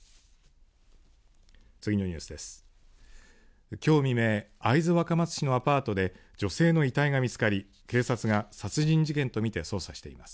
次のニュースです。